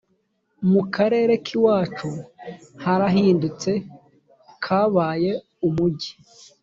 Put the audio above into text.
mu karere k’iwacu karahindutse kabaye umugi